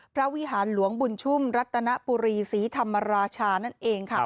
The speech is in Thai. วิหารหลวงบุญชุ่มรัตนปุรีศรีธรรมราชานั่นเองค่ะ